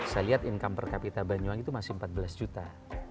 saya lihat income per capita banyuwangi itu masih empat belas juta